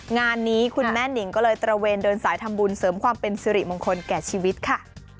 งานนี้คุณแม่นิงก็เลยตระเวนเดินสายทำบุญเสริมความเป็นสิริมงคลแก่ชีวิตค่ะ